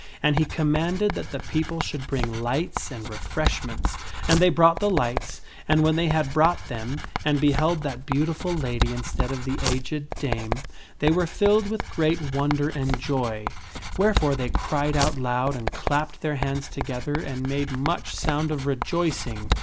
And he commanded that the people should bring lights and refreshments, and they brought the lights, and when they had brought them and beheld that beautiful lady instead of the aged dame, they were filled with great wonder and joy ; wherefore they cried out aloud and clapped their hands together and made much sound of rejoicing.